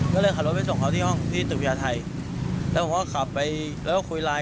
ก็เลยขับรถไปส่งเขาที่ห้องที่ตึกพญาไทยแล้วผมก็ขับไปแล้วก็คุยไลน์